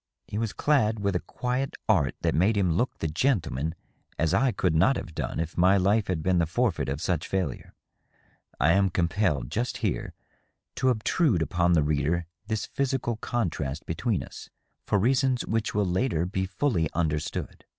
He was clad with a quiet art that made him look the gentleman as I could not have done if my life had been the forfeit of such failure. I am compelled, just here, to obtrude upon the reader this physical contrast between us, for reasons which will later be fully understood.